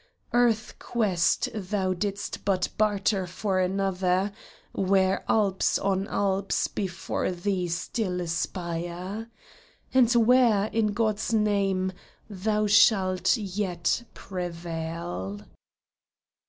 Earth quest thou didst but barter for another, Where Alps on Alps before thee still aspire, And where, in God's name, thou shalt yet prevail